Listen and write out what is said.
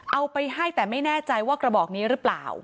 เอาไปให้แต่ไม่แน่ใจว่ากระบอกนี้หรือเปล่า